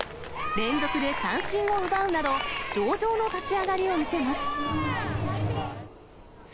連続で三振を奪うなど、上場の立ち上がりを見せます。